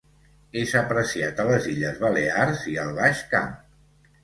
És apreciat a les illes Balears i al Baix Camp.